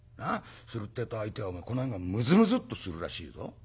するってえと相手はこの辺がムズムズっとするらしいぞ。